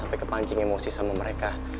sampai kepancing emosi sama mereka